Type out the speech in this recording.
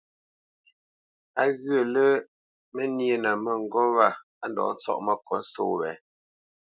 Á ghyə̂ lə́ mə́ nyénə mə́ŋgôp wa á ndɔ̌ ntsɔ́ʼ məkǒt só wě.